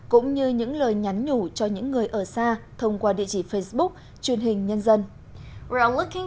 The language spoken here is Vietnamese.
cũng như những lời nhắn nhủ cho những người ở xa thông qua địa chỉ facebook truyền hình nhân dân